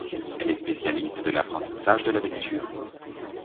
Elle est spécialiste de l'apprentissage de la lecture.